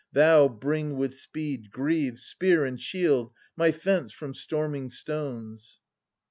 Thou, bring with spe^ Greaves, spear, and shield, my fence from storming stones.